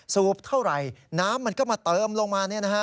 สูบเท่าไหร่น้ำมันก็มาเติมลงมา